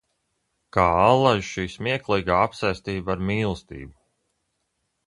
Kā allaž šī smieklīgā apsēstība ar mīlestību!